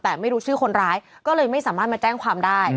แต่ไม่รู้ชื่อคนร้ายก็เลยไม่สามารถมาแจ้งความได้